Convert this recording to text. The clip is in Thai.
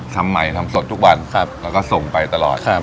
ทำใหม่ทำสดทุกวันแล้วก็ส่งไปตลอด